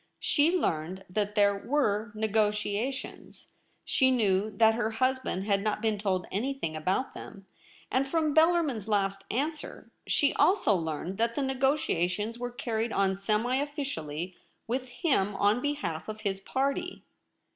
She learned that there zuere negotiations. She knew that her husband had not been told anything about them, and, from Bellarmin's last answ^er, she also learned that the negotiations were carried on seml officially with him on behalf of his party.